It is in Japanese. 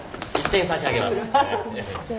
１点差し上げます。